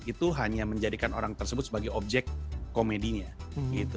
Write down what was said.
itu hanya menjadikan orang tersebut sebagai objek komedinya gitu